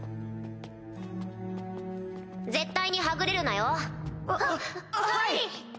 絶対にはぐれるなよ。ははい！